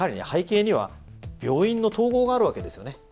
背景には病院の統合があるわけですよね。